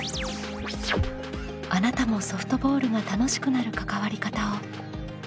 あなたもソフトボールが楽しくなる関わり方を探究してみませんか？